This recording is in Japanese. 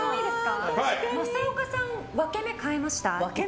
正岡さん、分け目変えました？